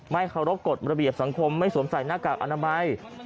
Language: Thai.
เคารพกฎระเบียบสังคมไม่สวมใส่หน้ากากอนามัย